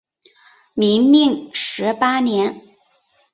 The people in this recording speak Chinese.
明命十八年。